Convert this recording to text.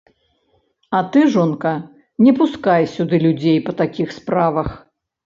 А ты, жонка, не пускай сюды людзей па такіх справах!